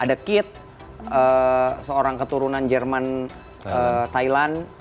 ada kit seorang keturunan jerman thailand